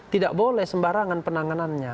tidak boleh sembarangan penanganannya